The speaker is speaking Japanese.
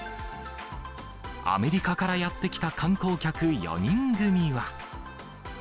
アメリカからやって来た観光客４人組は。